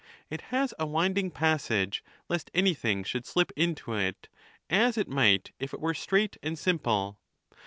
It has a winding passage, lest anything should slip into it, as it might if it were straight and sim ple.